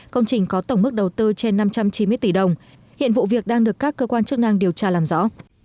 công trình có tổng mức đầu tư trên năm trăm chín mươi tỷ đồng hiện vụ việc đang được các cơ quan chức năng điều tra làm rõ